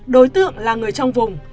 đối tượng là người trong vùng